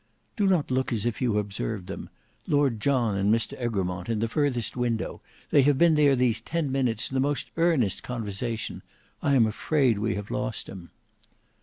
"Do not look as if you observed them: Lord John and Mr Egremont, in the furthest window, they have been there these ten minutes in the most earnest conversation. I am afraid we have lost him."